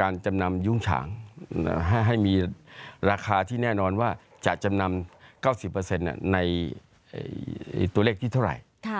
การจำนำยุ้งฉางให้มีราคาที่แน่นอนว่าจะจำนำเก้าสิบเปอร์เซ็นต์น่ะในตัวเลขที่เท่าไหร่ค่ะ